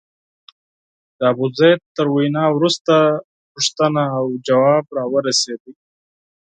د ابوزید تر وینا وروسته سوال او ځواب راورسېد.